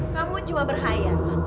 kamu juga berhaya